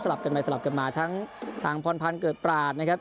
กันไปสลับกันมาทั้งทางพรพันธ์เกิดปราศนะครับ